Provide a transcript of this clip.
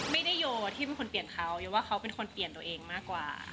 โยที่เป็นคนเปลี่ยนเขาโยว่าเขาเป็นคนเปลี่ยนตัวเองมากกว่า